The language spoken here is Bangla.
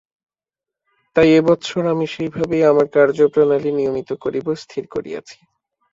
তাই এ বৎসর আমি সেই ভাবেই আমার কার্যপ্রণালী নিয়মিত করিব, স্থির করিয়াছি।